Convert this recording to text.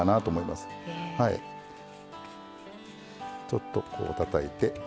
ちょっとこうたたいて。